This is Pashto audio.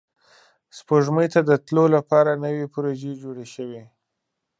سپوږمۍ ته د تلو لپاره نوې پروژې جوړې شوې